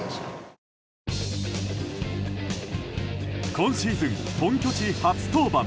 今シーズン本拠地初登板。